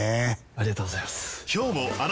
ありがとうございます！